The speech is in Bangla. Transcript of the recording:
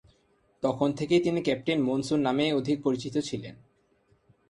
তখন থেকেই তিনি ‘ক্যাপ্টেন মনসুর’ নামেই অধিক পরিচিত ছিলেন।